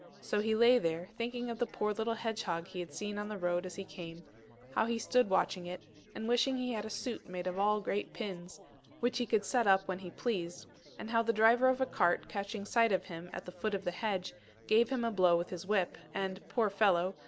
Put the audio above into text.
So he lay there thinking of the poor little hedgehog he had seen on the road as he came; how he stood watching it, and wishing he had a suit made all of great pins, which he could set up when he pleased; and how the driver of a cart, catching sight of him at the foot of the hedge, gave him a blow with his whip, and, poor fellow!